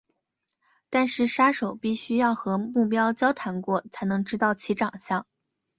但是杀手必须要和目标交谈过才能知道其长相。